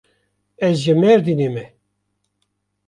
Ez ji Mêrdînê me.